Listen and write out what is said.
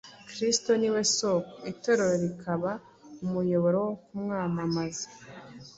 Kristo ni we soko, Itorero rikaba umuyoboro wo kumwamamaza.